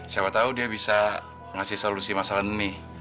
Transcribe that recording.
siapa tahu dia bisa ngasih solusi masalah ini